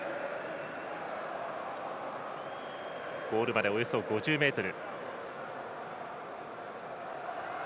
ゴールまでおよそ５０ｍ。